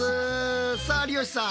さあ有吉さん。